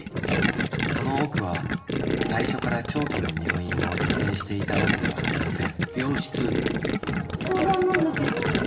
その多くは最初から長期の入院を予定していたわけではありません。